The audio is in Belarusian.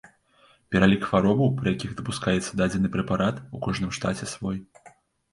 Пералік хваробаў, пры якіх дапускаецца дадзены прэпарат, у кожным штаце свой.